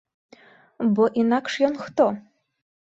Бо інакш ён хто?